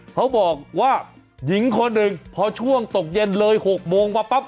เขาบอกว่าหญิงคนหนึ่งพอช่วงตกเย็นเลย๖โมงมาปั๊บ